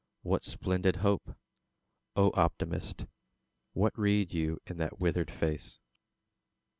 What splendid hope? O Optimist! What read you in that withered face?